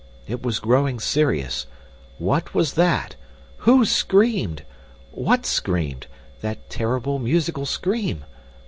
It was growing serious. What was that? WHO screamed? WHAT screamed that terrible, musical scream?